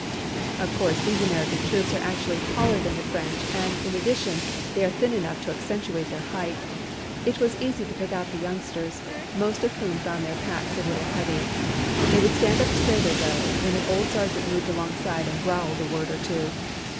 Of course these American troops are actually taller than the French and in addition they are thin enough to accentuate their height. It was easy to pick out the youngsters, most of whom found their packs a little heavy. They would stand up straighter though when an old sergeant moved alongside and growled a word or two.